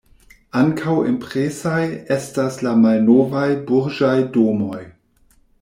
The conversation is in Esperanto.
Ankaŭ impresaj estas la malnovaj burĝaj domoj.